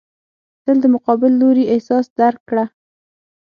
تل د مقابل لوري احساس درک کړه.